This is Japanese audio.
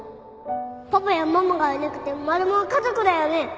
パパやママがいなくてもマルモは家族だよね